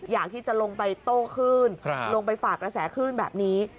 อยากที่จะลงไปโต้คลื่นลงไปฝากกระแสคลื่นแบบนี้